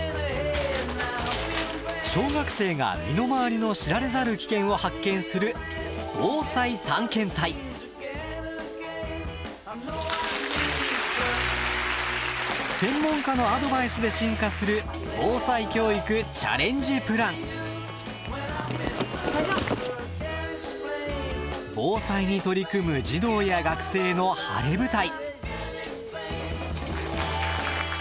小学生が身の回りの知られざる危険を発見する専門家のアドバイスで進化する防災に取り組む児童や学生の晴れ舞台。